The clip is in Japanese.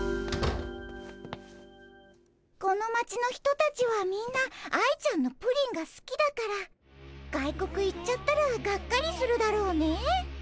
この町の人たちはみんな愛ちゃんのプリンがすきだから外国行っちゃったらがっかりするだろうね。